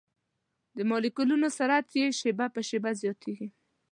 د مالیکولونو سرعت یې شېبه په شېبه زیاتیږي.